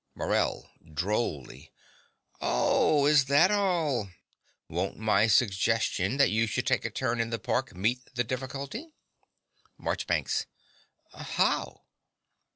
MORELL (drolly). Oh, is that all? Won't my suggestion that you should take a turn in the park meet the difficulty? MARCHBANKS. How?